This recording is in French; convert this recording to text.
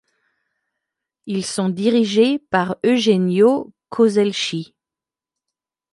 Ils sont dirigés par Eugenio Coselschi.